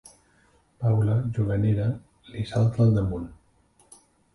Paula, juganera, li salta al damunt.